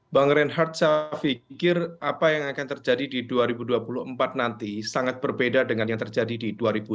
bang reinhardt saya pikir apa yang akan terjadi di dua ribu dua puluh empat nanti sangat berbeda dengan yang terjadi di dua ribu dua puluh